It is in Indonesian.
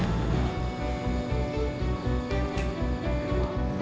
gue mau ambil gambar